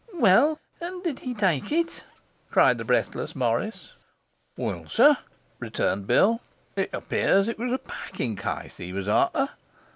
'Well, and did he take it?' cried the breathless Morris. 'Well, sir,' returned Bill, 'it appears it was a packing case he was after.